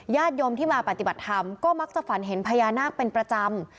ญาติโยมที่มาปฏิบัติธรรมก็มักจะฝันเห็นพญานาคเป็นประจำ